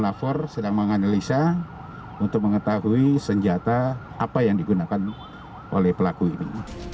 lapor sedang menganalisa untuk mengetahui senjata apa yang digunakan oleh pelaku ini